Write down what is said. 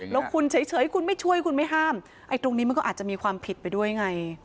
แล้วคุณเฉยคุณไม่ช่วยคุณไม่ห้ามไอ้ตรงนี้มันก็อาจจะมีความผิดไปด้วยไง